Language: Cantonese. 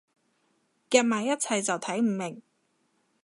夾埋一齊就睇唔明